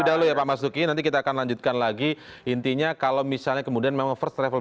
selesaikan dulu makanya kami mendorong